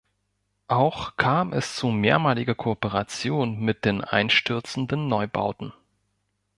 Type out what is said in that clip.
Auch kam es zu mehrmaliger Kooperation mit den Einstürzenden Neubauten.